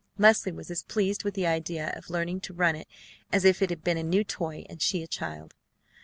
Leslie was as pleased with the idea of learning to run it as if it had been a new toy and she a child.